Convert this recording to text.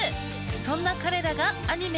そんな彼らがアニメ